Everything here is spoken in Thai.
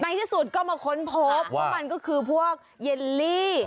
ที่สุดก็มาค้นพบว่ามันก็คือพวกเยลลี่